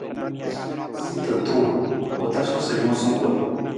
Ng ta tuu, u tasu sa nuusa kun.